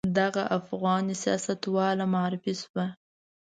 دغه افغاني سیاستواله معرفي شوه.